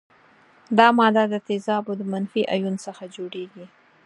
دا ماده د تیزابو د منفي ایون څخه جوړیږي.